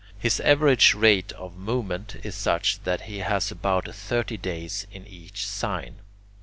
His average rate of movement is such that he has about thirty days in each sign.